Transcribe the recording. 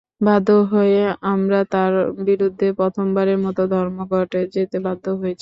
বাধ্য হয়ে আমরা তাঁর বিরুদ্ধে প্রথমবারের মতো ধর্মঘটে যেতে বাধ্য হয়েছি।